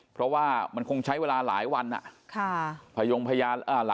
เพราะว่ามันคงใช้เวลาหลายวันนะ